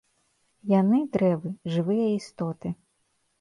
Яны, дрэвы, —жывыя істоты.